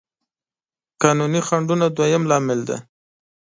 قانوني خنډونه دويم لامل دی.